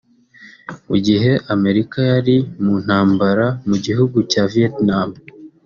Mu gihe Amerika yari mu ntambara mu gihugu cya Vietnam